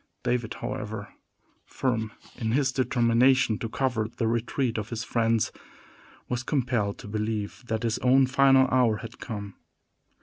David, however, firm in his determination to cover the retreat of his friends, was compelled to believe that his own final hour had come.